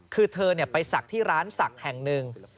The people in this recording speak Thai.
คือเธอไปศักดิ์ที่ร้านศักดิ์แห่งหนึ่ง